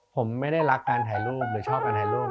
ผมไม่ได้รักการถ่ายรูปหรือชอบการถ่ายรูป